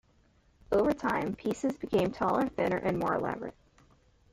Over time, pieces became taller, thinner, and more elaborate.